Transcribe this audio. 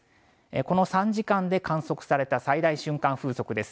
この３時間で観測された最大瞬間風速です。